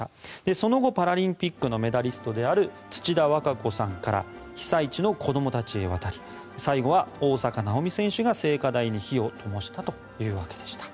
その後、パラリンピックのメダリストである土田和歌子さんから被災地の子どもたちへ渡り最後は大坂なおみ選手が聖火台に火をともしたというわけでした。